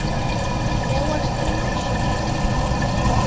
¿Leu a estratexia?